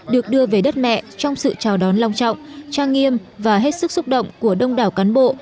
được đưa về đất mẹ trong sự chào đón lòng trọng trang nghiêm và hết sức xúc động của đông đảo cán bộ